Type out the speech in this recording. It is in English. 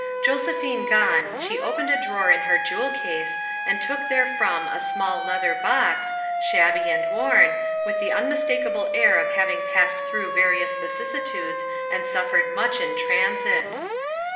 Josephine gone, she opened a drawer in her jewel case and took therefrom a small leather box, shabby and worn, with the unmistakable air of having passed through various vicissitudes and suffered much in transit.